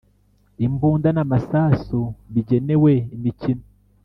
imbunda n amasasu bigenewe imikino